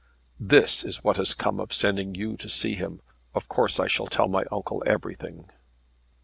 "This is what has come of sending you to see him! Of course I shall tell my uncle everything."